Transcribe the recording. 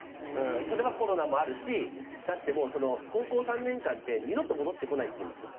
それはコロナもあるしだって、高校３年間って二度と戻ってこないと言うんですよ。